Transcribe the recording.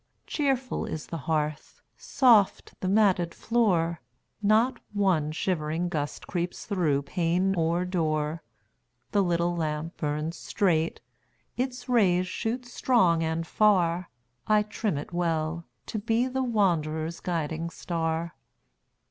Cheerful is the hearth, soft the matted floor; Not one shivering gust creeps through pane or door; The little lamp burns straight, its rays shoot strong and far: I trim it well, to be the wanderer's guiding star.